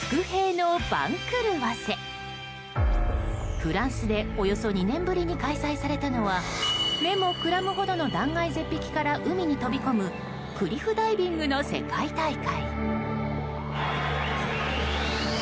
フランスでおよそ２年ぶりに開催されたのは目もくらむほどの断崖絶壁から海に飛び込むクリフダイビングの世界大会。